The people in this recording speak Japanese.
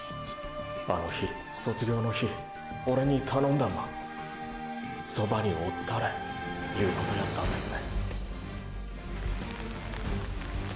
あの日卒業の日オレに頼んだのは側におったれいうことやったんですね